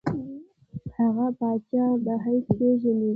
هغه پاچا په حیث پېژني.